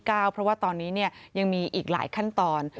เพราะว่าตอนนี้ยังมีอีกหลายขั้นตอน